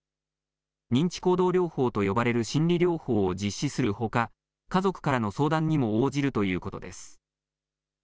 認知行動療法と呼ばれる心理療法を実施するほか家族からの相談にも応じるということです。